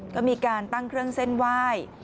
ก็มีการตั้งเครื่องเส้นไหว้